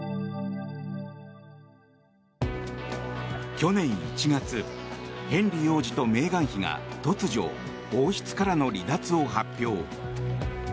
去年１月ヘンリー王子とメーガン妃が突如、王室からの離脱を発表。